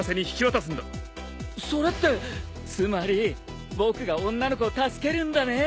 それってつまり僕が女の子を助けるんだね！